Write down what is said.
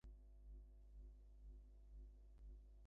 খাওয়ার বিষয়ে সুশীলের বড়ো কড়াক্কড় ছিল।